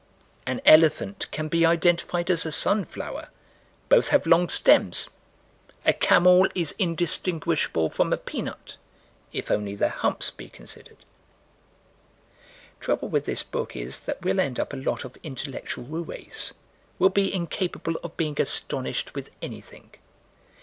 An elephant can be identified as a sunflower both have long stems. A camel is indistinguishable from a peanut if only their humps be considered. Trouble with this book is that we'll end up a lot of intellectual roués: we'll be incapable of being astonished with anything.